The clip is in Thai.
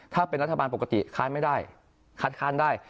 ถ้าเป็นรัฐบาลปกติค้านไม่ได้คัดค้านได้